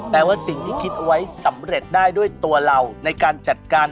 ว่าสิ่งที่คิดไว้สำเร็จได้ด้วยตัวเราในการจัดการ